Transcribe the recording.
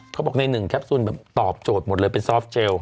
เขาบอกใน๑แคปซูลตอบโจทย์หมดเลยเป็นซอฟต์เจล